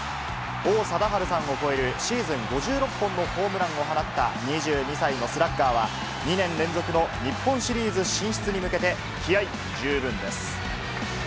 王貞治さんを超えるシーズン５６本のホームランを放った２２歳のスラッガーは、２年連続の日本シリーズ進出に向けて、気合い十分です。